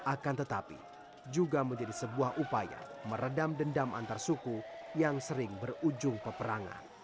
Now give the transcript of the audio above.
akan tetapi juga menjadi sebuah upaya meredam dendam antarsuku yang sering berujung peperangan